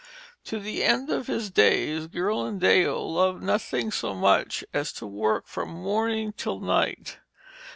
To the end of his days Ghirlandaio loved nothing so much as to work from morning till night.